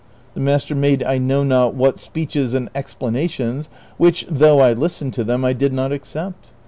The master made I know not what speeches and explanations, Avhich, though I listened to them, I did not acce})t.